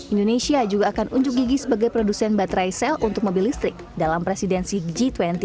indonesia juga akan unjuk gigi sebagai produsen baterai sel untuk mobil listrik dalam presidensi g dua puluh